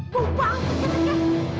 bau banget keteknya